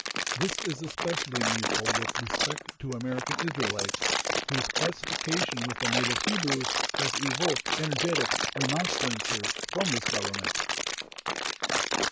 This is especially needful with respect to American Israelites, whose classification with the native Hebrews has evoked energetic remonstrances from this Government.